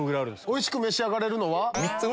おいしく召し上がれるの。